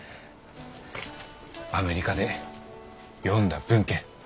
アメリカで読んだ文献。